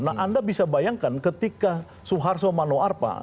nah anda bisa bayangkan ketika soeharto mano arpa